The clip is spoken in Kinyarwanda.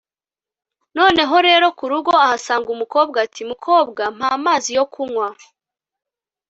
noneho rero ku rugo ahasanga umukobwa ati mukobwa mpa amazi yo kunywa